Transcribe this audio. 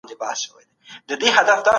مثبت فکر آرامتیا نه زیانمنوي.